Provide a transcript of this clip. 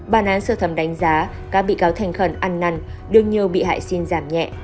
bản án sơ thẩm đánh giá các bị cáo thành khẩn ăn năn được nhiều bị hại xin giảm nhẹ